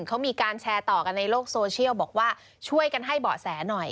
เขามีการแชร์ต่อกันในโลกโซเชียลบอกว่าช่วยกันให้เบาะแสหน่อย